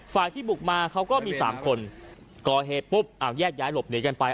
ที่บุกมาเขาก็มีสามคนก่อเหตุปุ๊บเอาแยกย้ายหลบหนีกันไป